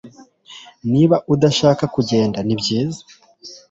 Niba udashaka kugenda nibyiza